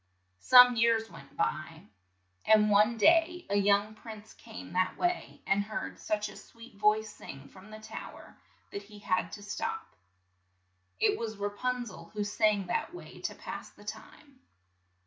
Some years went by, and one day a young prince came that way, and heard such a sweet voice sing from the tow er that he had to stop. It was Ra pun zel, who sang that way to pass the time.